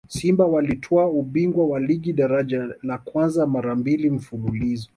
simba walitwaa ubingwa wa ligi daraja la kwanza mara mbili mfululizo